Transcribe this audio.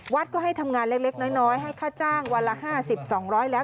ก็ให้ทำงานเล็กน้อยให้ค่าจ้างวันละ๕๐๒๐๐แล้ว